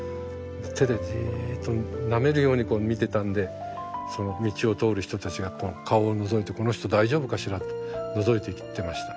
手でじっとなめるように見てたんで道を通る人たちが顔をのぞいて「この人大丈夫かしら」とのぞいていってました。